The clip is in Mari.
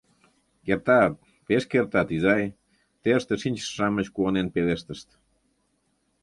— Кертат, пеш кертат, изай! — терыште шинчыше-шамыч куанен пелештышт.